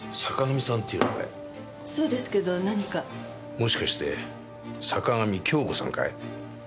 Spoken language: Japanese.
もしかして坂上恭子さんかい？